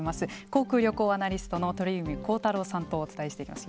航空・旅行アナリストの鳥海高太朗さんとお伝えしていきます。